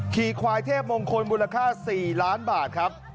ขี่ควายเทพมงคลมูลค่า๔ล้านบาทครับ